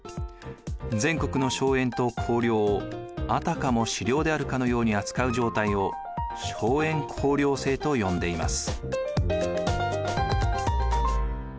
全国の荘園と公領をあたかも私領であるかのように扱う状態を荘園公領制と呼んでいます。